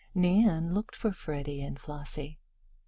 Nan looked for Freddie and Flossie.